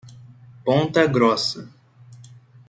Ponta Grossa